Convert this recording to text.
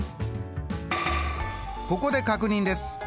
ここで確認です。